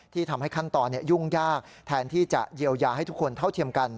ทำให้ขั้นตอนยุ่งยากแทนที่จะเยียวยาให้ทุกคนเท่าเทียมกัน